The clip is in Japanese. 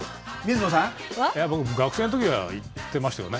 僕、学生のときなら行ってましたよね。